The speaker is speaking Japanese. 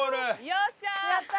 よっしゃー！